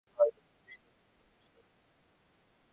High, oh Bree, তোমাকে তো বেশ নজরকাড়া লাগছে!